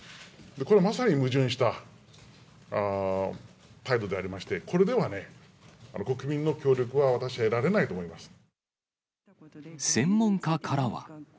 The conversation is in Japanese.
これはまさに矛盾した態度でありまして、これではね、国民の協力専門家からは。